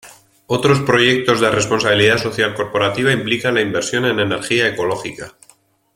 Otros proyectos de responsabilidad social corporativa implican la inversión en energía ecológica.